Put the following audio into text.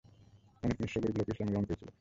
অনেক নিঃস্ব-গরীব লোকও ইসলাম গ্রহণ করেছিল।